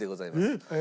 えっ？